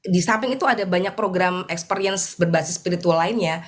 di samping itu ada banyak program experience berbasis spiritual lainnya